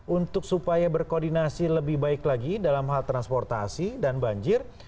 untuk supaya berkoordinasi lebih baik lagi dalam hal transportasi dan banjir